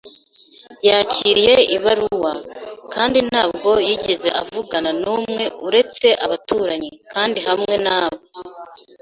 yakiriye ibaruwa, kandi ntabwo yigeze avugana n'umwe uretse abaturanyi, kandi hamwe n'aba,